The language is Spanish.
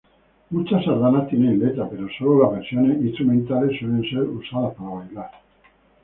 Muchas sardanas tienen letra, pero sólo las versiones instrumentales suelen ser usadas para bailar.